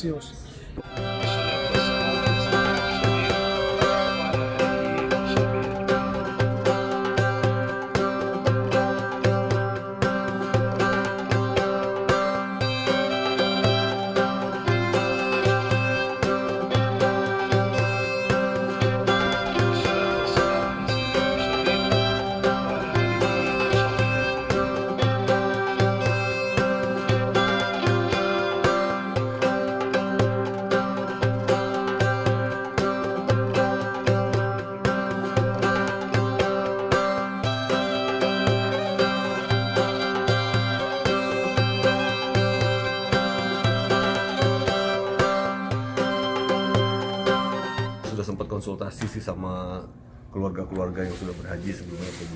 terima kasih ba destinainku dengan menunjukkan kepada bu sukeman hari ini bahwa kita sudah melahirkan dan mempelajari sebuah produk untuk mereka